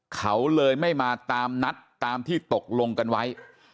เขาเลยไม่มาตามนัดตามที่ตกลงกันไว้